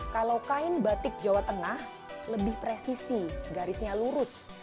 kalau kain batik jawa tengah lebih presisi garisnya lurus